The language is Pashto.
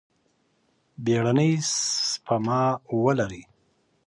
بیړنۍ سپما ولرئ.